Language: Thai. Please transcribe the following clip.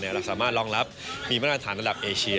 เราสามารถรองรับมีมาตรฐานระดับเอเชีย